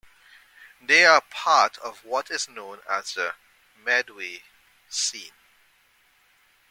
They are part of what is known as the "Medway scene".